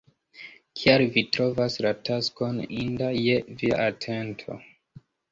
Kial vi trovas la taskon inda je via atento?